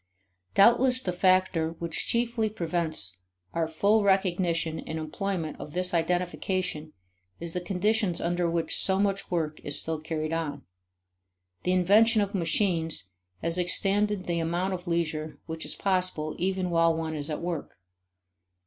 Doubtless the factor which chiefly prevents our full recognition and employment of this identification is the conditions under which so much work is still carried on. The invention of machines has extended the amount of leisure which is possible even while one is at work.